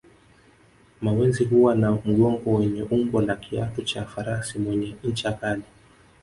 Mawenzi huwa na mgongo wenye umbo la kiatu cha farasi mwenye ncha kali